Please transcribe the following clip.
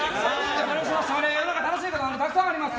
世の中楽しいことたくさんあります。